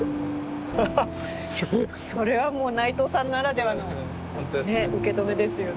それはもう内藤さんならではの受け止めですよね。